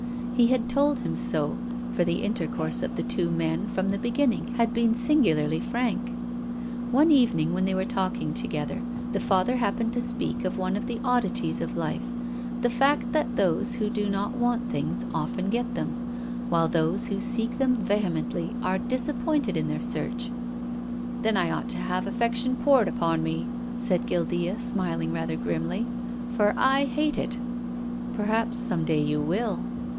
He had told him so, for the intercourse of the two men, from the beginning, had been singularly frank. One evening, when they were talking together, the Father happened to speak of one of the od dities of life, the fact that those who do not want things often get them, while those who seek them vehemently are disappointed in their search. " Then I ought to have affection poured upon me," said Guildea, smiling rather grimly. " For I hate it." " Perhaps some day you will."